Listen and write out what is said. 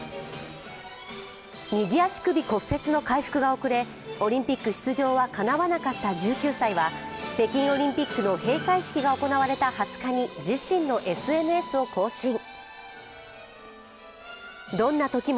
右足首骨折の回復が遅れ、オリンピック出場はかなわなかった１９歳は北京オリンピックの閉会式が行われた２０日に自身のＳＮＳを更新。